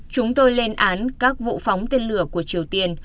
chúng tôi lên án các vụ phóng tên lửa của triều tiên